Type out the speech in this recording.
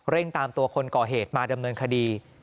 ตามตัวคนก่อเหตุมาดำเนินคดี